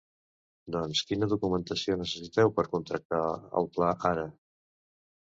Doncs quina documentació necessiteu per contractar el pla ara?